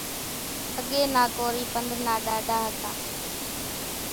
اڳيَ نا ڪورِي پنڌ نا ڏاڍا هتا۔